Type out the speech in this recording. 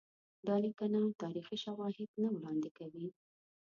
دا لیکنه تاریخي شواهد نه وړاندي کوي.